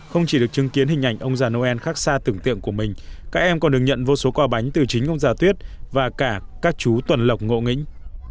không chỉ được chứng kiến hình ảnh ông già noel khác xa tưởng tượng của mình các em còn được nhận vô số quà bánh từ chính ông già tuyết và cả các chú tuần lộc ngộ nghĩnh